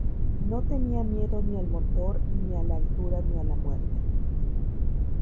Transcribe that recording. No tenía miedo ni al motor ni a la altura ni a la muerte.